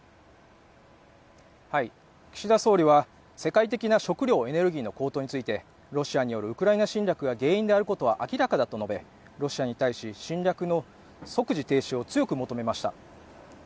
岸田総理は世界的な食糧・エネルギーの高騰についてロシアによるウクライナ侵略が原因であることは明らかだと述べロシアに対し、侵略の即時停止を強く求めました。